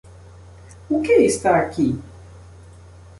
O que está aqui?